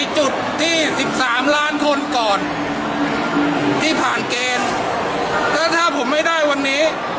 คนที่สิบสามล้านคนก่อนที่ผ่านแล้วถ้าผมไม่ได้วันนี้